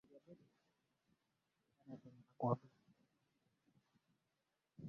Semantiki ni tawi la isimu linalochunguza maana halisia ya maneno, kifungu au sentensi katika lugha.